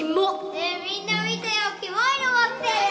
ねぇみんな見てよキモいの持ってる。